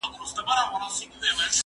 زه کولای سم موسيقي اورم